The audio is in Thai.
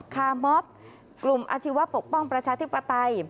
คาร์มอบกลุ่มอาชีวะปกป้องประชาธิปไตย